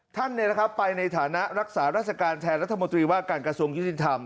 ท่านเนี่ยนะครับไปในฐานะรักษาราชการแทนรัฐมนตรีว่าการกระทรวงยุทธินธรรม